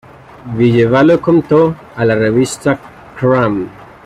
Ville Valo contó a la revista Kerrang!